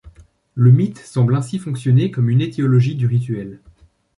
Le mythe semble ainsi fonctionner comme une étiologie du rituel.